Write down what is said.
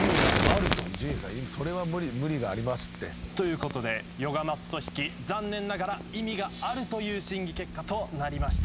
それは無理がありますって。ということでヨガマット引き残念ながら意味があるという審議結果となりました。